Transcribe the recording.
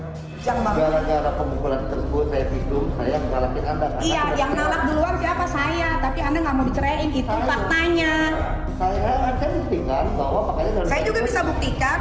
kalau orang masih ada kok semua wasatnya berapa kali saya nalak kamu